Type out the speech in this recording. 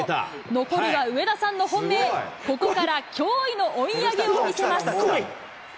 残るは上田さんの本命、ここから驚異の追い上げを見せます。